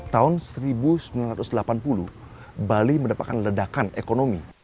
tahun seribu sembilan ratus delapan puluh bali mendapatkan ledakan ekonomi